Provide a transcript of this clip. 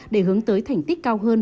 để hướng tới thành tích cao hơn